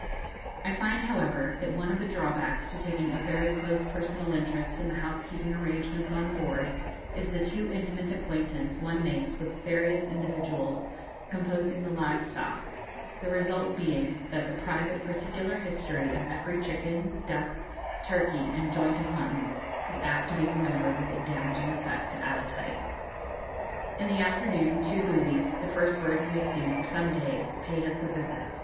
I find, however, that one of the drawbacks to taking a very close personal interest in the housekeeping arrangements on board is the too intimate acquaintance one makes with the various individuals composing the live stock, the result being that the private particular history of every chicken, duck, turkey, and joint of mutton is apt to be remembered with a damaging effect to appetite. In the afternoon two boobies, the first birds we have seen for some days, paid us a visit.